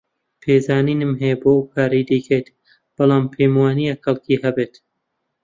پێزانینم هەیە بۆ ئەو کارەی دەیکەیت، بەڵام پێم وانییە کەڵکی هەبێت.